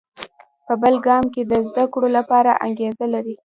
په بل ګام کې د زده کړو لپاره انګېزه لري.